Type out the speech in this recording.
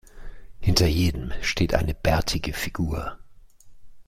Hinter jedem steht eine bärtige Figur.